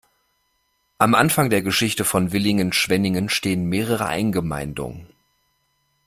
Am Anfang der Geschichte von Villingen-Schwenningen stehen mehrere Eingemeindungen.